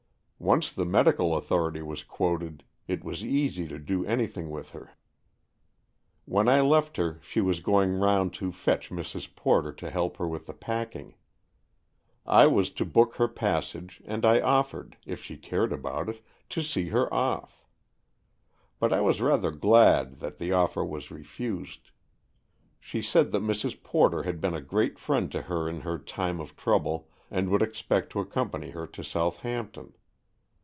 Once the medical authority was quoted, it was easy to do any thing with her. When I left her, she was going round to fetch Mrs. Porter to help her with the packing. I was to book her pas sage, and I offered, if she cared about it, to see her off. But I was rather glad that the offer was refused. She said that Mrs. Porter had been a great friend to her in her time of trouble, and would expect to accompany her to Southampton.